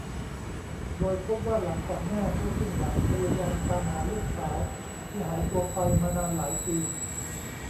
โดยพบว่าหลังจากแม่ผู้สิ้นหวังพยายามตามหาลูกสาวที่หายตัวไปมานานหลายปี